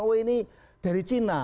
oh ini dari cina